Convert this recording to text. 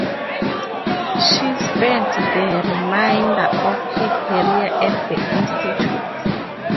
She spent the remainder of her career at the institute.